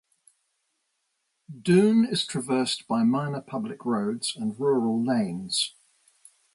Doon is traversed by minor public roads and rural lanes.